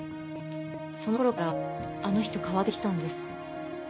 その頃からあの人変わってきたんです。